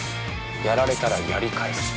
◆やられたらやり返す。